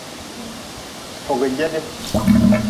Fojede.